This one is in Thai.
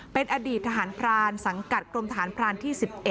เป็นอดีตทหารพรานสังกัดกรมทหารพรานที่๑๑